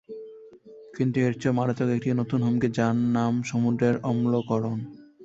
কিন্তু এর চেয়েও মারাত্মক একটি নতুন হুমকি যার নাম সমুদ্রের অম্লকরণ।